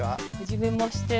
初めまして。